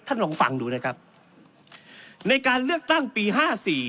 ลองฟังดูนะครับในการเลือกตั้งปีห้าสี่